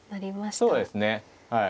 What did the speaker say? そうですねはい。